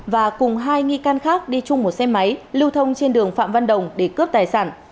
và cùng hai nghi can khác đi chung một xe máy lưu thông trên đường phạm văn đồng để cướp tài sản